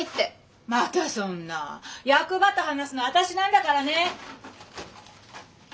またそんな役場と話すの私なんだからね！